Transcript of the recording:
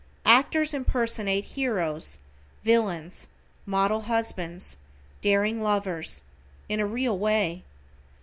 Actors impersonate heroes, villains, model husbands, daring lovers, in a real way.